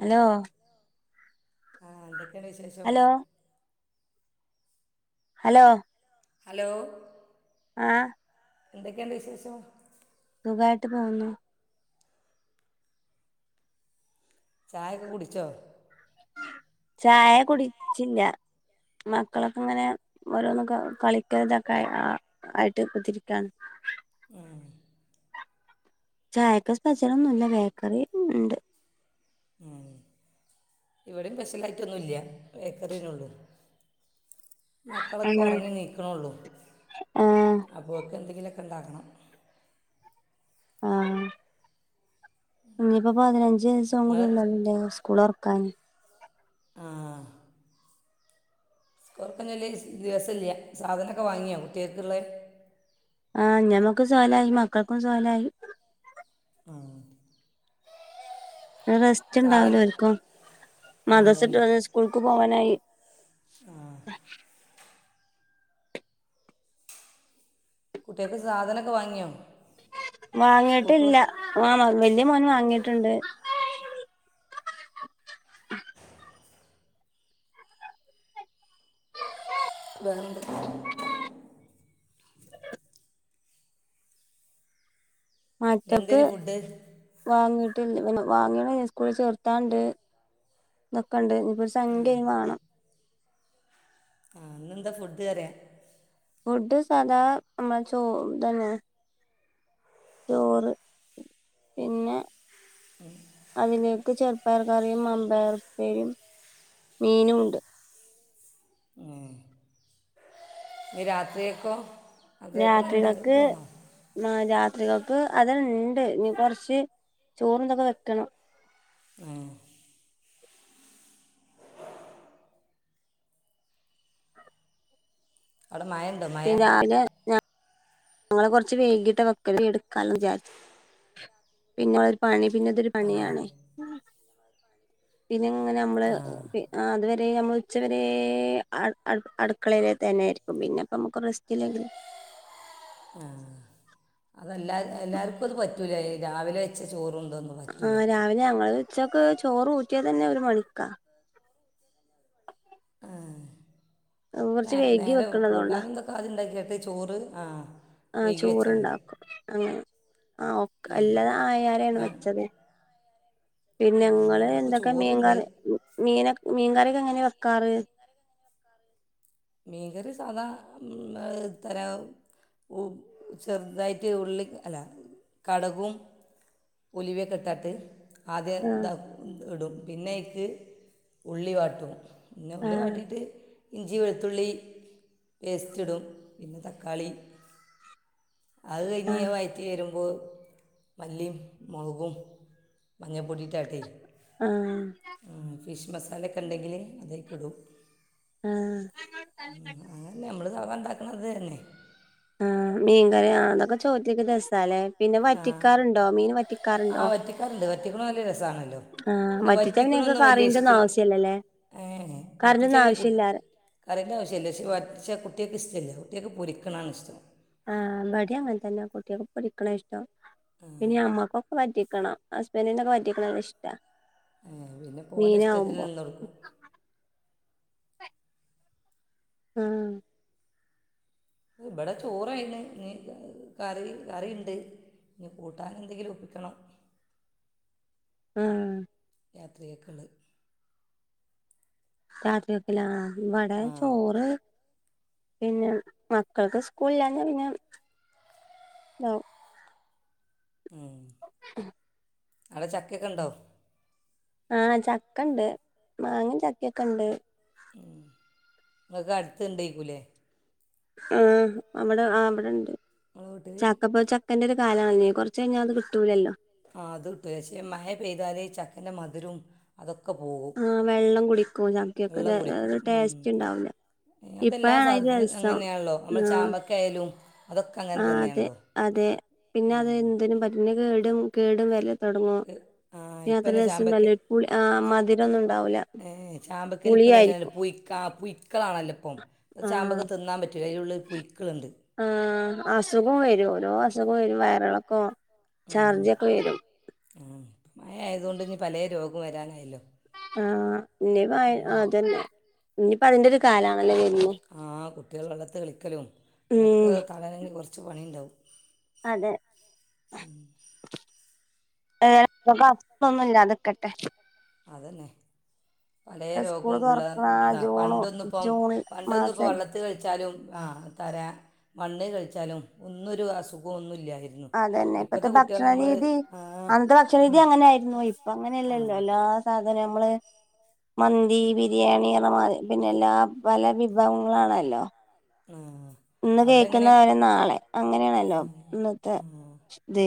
Hello ആാ എന്തൊക്കെയാണ് വിശേഷം ഹലോ ഹലോ ഹലോ ആഏ എന്തൊക്കെയാണ്ട് വിശേഷം? സുഖായിട്ട് പോന്നു. ചായ ഒക്കെ കുടിച്ചോ ചായ കുടിച്ചില്ല, മക്കളൊക്കെ ഇങ്ങനെ ഓരോന്നും കളിക്ക, ഇതൊക്കെ ആയിട്ട് കുതിരിക്കയാണ്. ചായക്ക് സ്പെഷൽ ഒന്നുമില്ല, ബേക്കറി ഉണ്ട്. ഉ ഇവിടെയും സ്പെഷ്യലായിട്ടൊന്നുമില്ല, ബേക്കറീനുള്ളൂ. മക്കളൊക്കെ ആഹ് ഉറങ്ങി നീക്കണള്ളൂ ആഹ് അപ്പോക്കെ എന്തെങ്കില ഒക്ക ഉണ്ടാക്കണം. ആഹ ഇനിയിപ്പോ പതിനഞ്ച ദിവസ്സോ കൂടി നിങ്ങൾ ഉള്ളല്ലേ സ്കൂളൾ തുറ ക്കാൻ. ആഹ തൊറക്കഞ്ഞല്ലേ ദിവസല്ല സാധനമൊക്കെ വാങ്ങിയാ കുട്ടികൾക്കുള്ള ആഹ ഞമ്മക്ക് സാനായി മക്കൾക്കും സാനായി. ആ റെസ്റ്റ് ഉണ്ടാവലോ സാധനം ആരിക്കും. അതന്നെ മതസട്ട് സ്കൂൾക്ക് പോവാനായി. ആ കുട്ടികക്ക് സാധനക്കെ വാങ്ങിയോ സ്കൂൾക്കുള്ള വാങ്ങിട്ടില്ല ആ വലിയ മോൻ വാങ്ങിട്ടുണ്ട്. വന്ത്. മറ്റൊക്ക് ഇന്നെന്തേനു ഫുഡ് വാങ്ങി പിന്നെ വാങ്ങിയണ സ്കൂൾ ചേർത്താണ്ട് എന്നൊക്കെുണ്ട് ഇനിപ്പോ ഒരു സംഖ്യം വേണം. ആഹ ഇന്നെന്താ ഫുഡ് കറിയാ ഫുഡ് സാധാ നമ്മള ചോ തന്നെ. ചോറ് പിന്നെ. അതിനലെയൊക്കെ ചെറ പയർകറിയും, അമ്പേർപ്പേരിയും, മീനുമുണ്ട്. ഉ ഈ രാത്രിയക്കോ രാത്രികൾക്ക് ആ രാത്രികക്ക് അതണ്ട് നി കൊറച്ച് ചോറ്ന്തൊക്കെ വെക്കണം. ആ അവിടെ മയണ്ടോ മ. പിന്നെ രാവിലെ ഞങ്ങള് കൊറച്ച് വേഗിട്ട് വെക്കല് എടുക്കന്ന് വിചാരിച്ച് പിന്നൊരു പണി. പിന്നെതൊരു അതെ പണിയാണെ. പിന്നെങ്ങനെ നമ്മള് ആ ആ അതില് പിന്നെ നമ്മൾ ഉച്ചവരെ അടു അടു അടുക്കളയില് തന്നൊയിരിക്കും. പിന്നെപ്പ നമുക്ക് റെസ്റ്റ് ഇല്ലെങ്കില് ആ അതല്ലാ, എല്ലാർക്കും അത് പറ്റൂല രാവിലെ വെച്ച ചോറും. ആ രാവിലെ ഞങ്ങള് ഉച്ചക്ക് ചോറ് ഊറ്റിയന്നെ ഒരു മണിക്കാ [unintelligible] കുറച്ച് വൈകി വെക്കണത് കൊണ്ടാ [inaudible] ആ ആ വൈകി വെച്ചാൽ മതി ചോറ്ണ്ടാക്കും അങ്ങനെ ഞാൻ ആ, ഞങ്ങൾക്ക് ചോറുണ്ട് [unintelligible] കാറ് മീൻ കറി സാധാ തരോ ഉ ചെറുതായിട്ട് ഉള്ളി അല്ല കടകും ഉലുവയൊക്ക ഇട്ടാട്ട് ആദ്യം ആ താക്കും ഇടും പിന്നെ ട്ട് ഉള്ളി വാട്ടും പിന്നെ ആ ഉള്ളി വാട്ടിട്ട് ഇഞ്ചിവെള് ത്തുള്ളി പേസ്റ്റിടും പിന്നെ തക്കാളി അത് ആ കയിഞ്ഞ് വയറ്റി വരുമ്പോ മല്ലിയും മുളകും മഞ്ഞൾപ്പൊടിട്ടാട്ടേ ആ ഫിഷ് മസാലക്കെ ഉണ്ടെങ്കിലെ അതൊക്കെടും ആ [inaudible] ആ മീൻകറിയ അതൊക്കെ ചോറ്റിക്കെ രസല്ലേ പിന്നെ ആ വറ്റിക്കാർണ്ടോ മീൻ വറ്റിക്കാറുണ്ടോ ആ വറ്റിക്കാറുണ്ട് വറ്റിക്കണ നല്ല രസമാണല്ലോ ആ പിന്നെ വറ്റിച്ചാന്നെ നിങ്ങക്ക് വറ്റിക്കണൊന്നും വലിയ കറിണ്ടന്നും ഇഷ്ടമില്ല ആവശ്യല്ലല്ലേ ഏ കറിറ ഒന്നും ആവശ്യം ഇല്ലാറ് കറില്യ ആവശ്യല്ല പക്ഷേ വറ്റിച്ചാ കുട്ട്യാക്ക് ഇഷ്ടല്ല കുട്ട്യാക്ക് പൊരിക്കാനാണിഷ്ടം ആ ഇമ്പടി അങ്ങനെ തന്യ കുട്ട്യാക്ക് പൊടിക്കന്നഷ്ടം നി അമ്മക്കൊക്കെ വറ്റി ക്കണം ഹസ്ബന്റിന് പറ്റിക്കണഷ്ടാ പിന്നെ പോലെ ഇഷ്ടത്തിന് നിന്നൊടുക്കും ആ ഇബിടെ ചോറായിന് ഇനി കറി കറിണ്ട് ഇനി കൂട്ടൻ എന്തെങ്കിലും ഒപ്പിക്കണം ആ [unintelligible] [unintelligible] ബടെ ആ ചോറ് പിന്നെ മക്കൾക്ക് സ്കൂളില്ലാഞ്ഞാ പിന്നെ ഇ ഉം അവിടെ ചക്കേക്ക ഒണ്ടൊ ആഹ ചക്കണ്ട് മാങ്ങയും ചക്കേക്ക ഇണ്ട് നിങ്ങക്ക് അടുത്ത് ഇണ്ടായിക്കൂലേ ആഹ അവിടെ ആ അവിടിണ്ട് [unintelligible] ചക്കേൻ്റ ഒരു കാലാണല്ലോ കുറച്ച് കഴിഞ്ഞാൽ അത് കിട്ടൂലല്ലോ ആ അത് ഉദ്ദേശിച്ച മഴ പെയ്താലെ ചക്കന്റെ മധുരോം അതൊക്കെ പോകും ആ വെള്ളം കുടിക്കും വെള്ളം ചക്കയൊക്കെ കുടിക്കും ടേസ്റ്റ് ഉണ്ടാവൂല അതെല്ലാ ഇപ്പഴാണ് സാധനത്തിനും രസം അങ്ങനെയാണല്ലോ നമ്മൾ ആ ചാമ്പക്ക ആയാലും അതൊക്കെ അങ്ങനെ ആ അതെ തന്നെയാണല്ലോ അതെ പിന്നെ അത് ഉം. എന്തിനും പറ്റുല കേ ടും കേടും വല്ല തുടങ്ങുവാ ആ ഇപ്പം തന്നെ ചാമ്പക്ക [unintelligible] ആ മധുര ഒന്നും ഇണ്ടാവൂല ഏ, പുളിയായിരിക്കും പുക്കളാണല്ലോ ഇപ്പം ചാമ്പക്ക ആഹ് തിന്നാൻ പറ്റൂല അതിലുള്ളിൽ പുഴുക്കളുണ്ട് ഖം വരും വയറളൊക്കോ ഉം ഉം മഴ ആയതുകൊണ്ട് ഇനി പലേ രോഗോം വരാനായല്ലോ ആഹ് ഇനീ ഇപ്പ അതന്നെ ഇനിയിപ്പതിന്റെ ഒരു കാലാണല്ലേ ആഹ് കു വെള്ളത്തിൽ കളിക്കലും അതക്ക ഉം [unintelligible] കുറച്ച് പണി ഇണ്ടാവും അതെ ആഹ നിങ്ങൾക്ക് അസുഖമൊന്നും ഇല്ലാതിക്കട്ടെ അതന്നെ പല സ്കൂള് രോഗോം ഉള്ള തുറക്കണ ഇത ജൂണ് പണ്ടൊന്നിപ്പം ജൂൺ പണ്ടൊന്നിപ്പം ഇപ്പോം മാസല്ലേ വെള്ളത്തിൽ കളിച്ചാലും ആ തരാ മണ്ണ് കളിച്ചാലും ഒന്നുമൊരു അസുഖോന്നുമില്ല അതന്നെ ഇപ്പത്തെ ഭക്ഷണരീതി ആ അന്നത്തെ ഭക്ഷണ രീതി ഉം, അങ്ങനെ ആരുന്നു ഇപ്പ ആ അങ്ങനെയല്ലല്ലോ എല്ലാ സാധനം നമ്മള് മന്തി ബിരിയാണിതി പിന്നെ എല്ലാ പല വിഭവങ്ങളാണല്ലോ ആ ഇന്ന് അവിടെ എങ്ങനെ കേൾക്കുന്ന അവരെ നാളെ ആ അങ്ങനെയാണല്ലോ ഇന്നത്തെ ആ ഇത്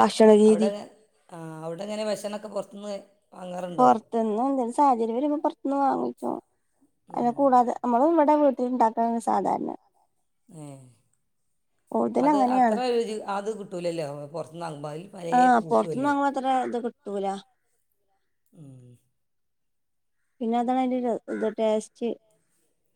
ഭഷണ അവിടെ രീതി എങ്ങ- ആ അവിടെങ്ങനെ ഭക്ഷണൊക്കെ പുറത്തുന്ന് പുറത്തുന്ന് എന്തേലും സാഹചര്യം വരുമ്പോ പുറത്തുനിന്ന് വാങ്ങും ഓ ഉം, അതിനെ കൂടാതെ നമ്മള് നമ്മടെ വീട്ടിൽ ഇണ്ടാ ആ സാധാരണയാ ഏ കൂടുതൽ അത് അത്ര അങ്ങനെയാണ് രുചി അത് കിട്ടൂലല്ലോ പുറത്ത്ന്നാങ്ങുമ്പോ ആഹ് പുറത്തുന്ന് വാങ്ങ്മ്പോ അത്ര ഇത് കിട്ടൂല ഉം പിന്നെ അതാണ് അതിന്റെ ഒരു ഇ ടേസ്റ്റ്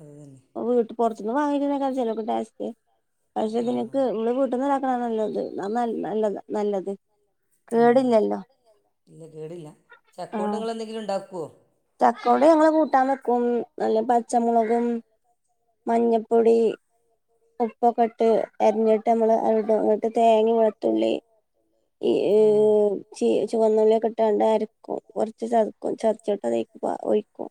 അത് തന്നെ [unintelligible] [unintelligible] പുറത്തുനിന്ന് വാങ്ങിക്കുന്നതിനേക്കാൾ [unintelligible] പക്ഷെ നിനക്ക് ആ [unintelligible] ആ നല്ലത് നല്ലതാ നല്ലത് ആ കേടില്ലല്ലോ ഇല്ല കേടില്ല ചക്കോണ്ട് നിങ്ങള് എന്തെങ്കിലും ഇണ്ടാക്കുവോ ചക്കോണ്ട് ഞങ്ങള് കൂട്ടാൻ വെക്കും നല്ല പച്ചമൊളകും മഞ്ഞപ്പൊടി ത ഉപ്പൊക്കെ ഇട്ട് അരിഞ്ഞിട്ട് നമ്മള് അ അങ്ങിട്ട് തേങ്ങ, വെളത്തുള്ളി ആഹ് ഈ ചാ ള്ളിയൊക്കെട്ട് അരക്കും കൊറച്ച് ചതയ്ക്കു ചതച്ചിട്ട് ഒയ്ക്കുക ഒയിക്കും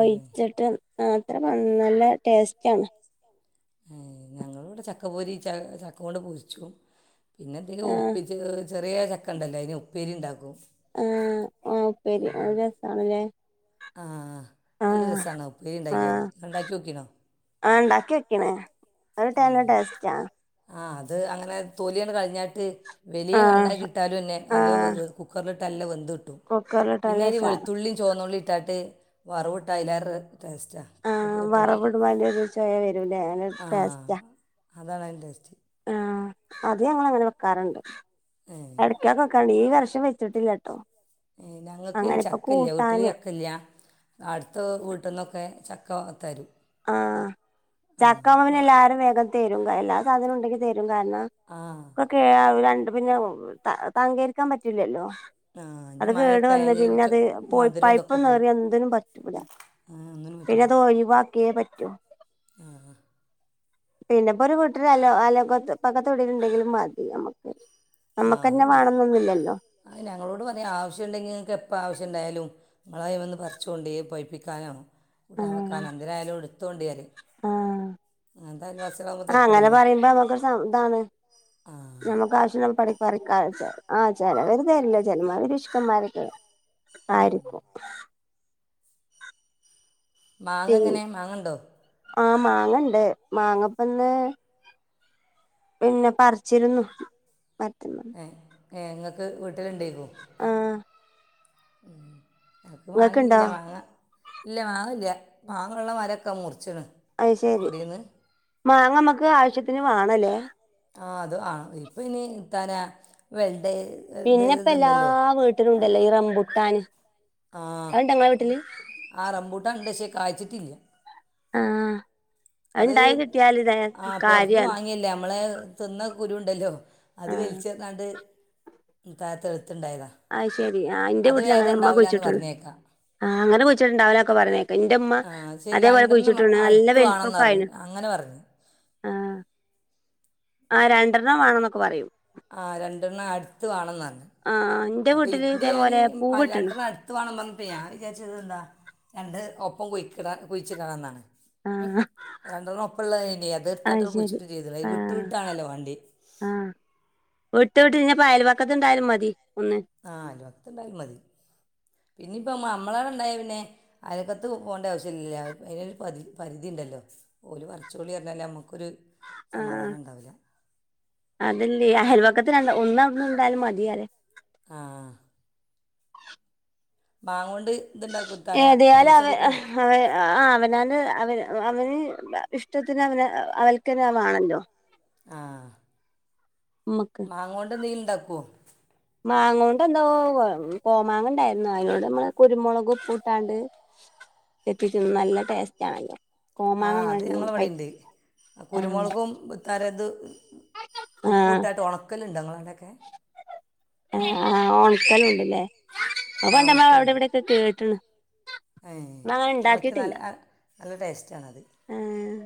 ഏഹ് മാത്രം നല്ല ടെസ്റ്റാണ് ഞങ്ങളിവിടെ ചക്കപൊരി ച ചക്കകൊണ്ട് പൊരിച്ചും പിന്നെ എന്തേലും ആ ഒപ്പിച്ച് ചെറിയ ചക്കണ്ടല്ലോ അയിന് ഉപ്പേരിണ്ടാക്കും ആഹ് ആഹ് ഉപ്പേരി അത് രസാണലേ ആ നല്ലരസാന്ന ആ ഉപ്പേരിണ്ടാക്കിയാല് ണ്ടാക്കി നോക്കീനോ ആ ഉണ്ടാക്കി വെക്കണേ അത് നല്ല ടേസ്റ്റാ ആഹ് അത് അങ്ങനെ തൊലിയാണ്ട് കളഞ്ഞാട്ട് വലിയ ആഹ് കണ്ടാക്കിട്ടാലുന്നെ നല്ല ആഹ് വേ കുക്കർ തല്ല വെന്ത്‌ ട്ടും കുക്കറിലിട്ട് നല്ല പിന്നയില് സാ വെളുത്തുള്ളി ചോന്നുള്ളി ഇട്ടാട്ട് വറവിട്ട അയിലേറെ ആ വെറകിടുമ്പോ അതിന്റെയൊരു ചൊവ വ രുവില്ലേ അങ്ങനെയൊരു ആ ടേസ്റ്റാ അതാണ് അതിന്റെ ടേസ്റ്റ് ആ അത് ഞങ്ങളങ്ങനെ വെക്കാറുണ്ട് ഏ അടുപ്പേ ക ക്കണ് ഈ വർഷം വെച്ചിട്ടില്ലാട്ടോ ഞങ്ങൾക്ക് ചക്ക ഇല്ല വീട്ടില് ചക്ക ഇല്ല അടുത്ത വീട്ടിൽന്നൊക്കെ ചക്കത്തരു ആഹ ചക്കവന അ- എല്ലാവാരും വേഗത്തെ എല്ലാ സാധനം ഉണ്ടെ കാരണം ആ ഒക്കെ പിന്നെ തങ്കേരിക്കാൻ പറ്റൂലല്ലോ ആ അത് ഇനി കേട് മഴയൊക്കെ വന്ന് ആയാൽ പിന്നെ ചു അത് പോയി മധുരം പഴുപ്പ് ഇതൊക്കെ പോവും ഒന്നേറിയാ ന്തിനും പറ്റൂല ആ ഒന്നിനും പിന്നെ പറ്റില്ല അത് ഒഴിവാ ക്കേ പറ്റോ ആ പിന്നെപ്പോ ഒരു വീട്ടില് അലോ അയലോ ക്കത്തൊടിലുണ്ടെങ്കിലും മതി നമ്മക്ക് ആ അത് മതി അത് ഞങ്ങളോട് പറയാ ആവശ്യംണ്ടെങ്കിൽ ഇങ്ങൾക്ക് എപ്പ എപ്പ ആവശ്യണ്ടായാലും ഇങ്ങളയ്മന്ന്‌ പറിചച്ചോണ്ടി പയ്‌പ്പിക്കാനോ കൂട്ടാൻ വെക്കാനോ എന്തിനായാലും എടു എടുത്തോണ്ടി അറിയും ആഹ ആ അങ്ങനെ തരക്കേടില്ല പറയുമ്പോ നമ്മക്ക് ആ [inaudible] നമ്മുക്ക് ആവശ്യള്ളപ്പോ പറിക്ക [unintelligible] ഉം. ആയിരിക്കും മാങ്ങ എങ്ങനെ മാങ്ങണ്ടോ ആ മാങ്ങണ്ട് മാങ്ങപ്പന്ന് പിന്നെ പറിച്ചിരുന്നു മറ്റ ഏ ഏ ങ്ങൾക്ക് വീ വീട്ടിലിണ്ടേക്കും ആഹ് മ്മ് ഞങ്ങൾക്ക് ഇങ്ങക്ക്ണ്ടോ മാങ്ങില്ല മാങ്ങ ഇല്ല മാ ങ്ങല്ല മാത്ര മരൊക്കെ മൂർത്തി അത് ശെരി മാങ്ങ നമ്മുക്ക് ആവശ്യത്തി പിന്നെ വേണല്ലേ ആ അത് ആണ് ഇപ്പ ഇനി താനെെ പിന്നെ ഇപ്പ എല്ലാ വീട്ടിലും ഉണ്ടല്ലോ ഈറംബുട്ടി താണ് ആഹ ആ റബൂട്ടാ ഉണ്ട് ശ കഴ്ച്ചിട്ടില്ല ആഹ അത് ആ പുറത്തന്ന് കാര്യാണ് വാങ്ങിയല്ലേ നമ്മള് തിന്ന കുരു ഉണ്ടല്ലോ അത് ആഹ് വലിച്ചെറഞ്ഞാണ്ട് [unintelligible] ആഹ് ശരി ആ അന്റെ വീട്ടിൽ അങ്ങനെ അമ്മ ഉണ്ടാവില്ല എന്ന് കൊഴിച്ചിട്ടുള്ളു പറഞ്ഞേക്കാം ആഹ്ങ്ങനെ കൊഴിച്ചിട്ടുണ്ടാവനൊക്കെ പറഞ്ഞേ എന്റെമ്മ ആ ശരി അതേപോലെ രണ്ടെണ്ണം കുഴിച്ചിട്ടുണ്ട് നല്ല അടുത്ത് വേണമെന്ന് വെലിപ്പക്ക പറഞ്ഞു ആയിനു അങ്ങനെ പറഞ്ഞു ആഹ. ആ രണ്ടെണ്ണം വേണം എന്നൊക്കെ പറയും. ആ രണ്ടെണ്ണം അടുത്ത് വേണന്നു ആഹ് എന്റെ അപ്പൊ വീട്ടില് എന്റെയാണി ഇതേപോലെ [unintelligible] പൂവിട്ട്ണ് ഞാൻ വിചാരിച്ചത് ഇത് എന്താ രണ്ട് ഒപ്പം കൊഴിക്കട കൊഴിച്ച കാണന്നതാണ് ഉം ആഹ് രണ്ടെണ്ണം ഒപ്പംള്ള [unintelligible] അത് തീർത്ഥായിട്ട ശരി കുയിച്ചിട്ട് ചെയ്തില്ല ഇത് വിട്ടു ആഹ് വിട്ടാണല്ലോ വണ്ടി [unintelligible] യൽ വക്കത്ത ഉണ്ടായിലും മതി. ഒന്ന് ആഹ് വർത്ത് ഇണ്ടായ മതി ഇ ഇനിയിപ്പോൾ നമ്മളാടെ ഉണ്ടായി പിന്നെ അയലോക്കത്ത് പോകേണ്ട ആവശ്യം ഇല്ലില്ല അതിനൊരു പരി പരിധി ഉണ്ടല്ലോ പോല പറച്ചൊളി പറഞ്ഞാലേ നമുക്കൊരു ആഹ സമാധാനം ഉണ്ടാവില്ല അലല്ലേ ആഹൽവ. പക്കത്തി ഒന്ന ഉണ്ടായാലും മതിയല്ല ആഹ ബങ്ങണ് ഏതായാലും അവ അടിക്കും അവ അവനാണ് അവ അവന് ഇഷ്ടത്തിന് അവന് അവൽക്കരമാണല്ലോ ആഹ മാങ്ങ കൊണ്ട് നീ [unintelligible] മാങ്ങ കൊണ്ട് എന്തോ കോമാങ്ങ ഉണ്ടായിരുന്നു അതിനോട് നമ്മള് കുരുമുളക് ഉപ്പ ഇട്ടാണ്ട് ചെത്തി തിന്നും നല്ല ടേസ്റ്റ് ആണ് അതിന്റ ആ അത് ഞങ്ങളവിടെുണ്ട് കുരുമുളകും തരത് ഉപ്പൂ ആഹ് ഇട്ടട്ട് ഉണക്കല ഉണ്ട- അതക്കെ ആ ഓണക്കല് ഉണ്ടല്ലേ [unintelligible] അവിടെ എവിടെക്കെ കേട്ടണ് ഉണക്ക് നല്ല നല്ല ടേസ്റ്റ ആണത് ആഹ്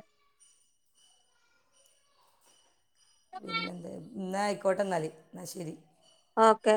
പിന്നെ എന്താന്ന് എന്ന ആയിക്കോട്ടെ എന്നാൽ എന്നാ ശരി ഓക്കെ